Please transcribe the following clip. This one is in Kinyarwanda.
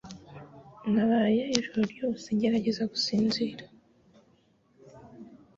Naraye ijoro ryose ngerageza gusinzira